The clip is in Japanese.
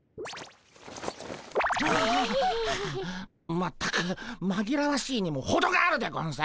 全くまぎらわしいにもほどがあるでゴンス。